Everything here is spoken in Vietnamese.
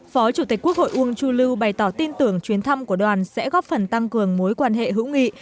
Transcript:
phó chủ tịch quốc hội uông chu lưu bày tỏ tin tưởng chuyến thăm của đoàn sẽ góp phần tăng cường mối quan hệ hữu nghị